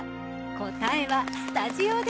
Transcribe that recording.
答えはスタジオで。